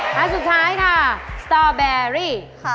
ค่ะสุดท้ายค่ะสตาร์เบอร์รี่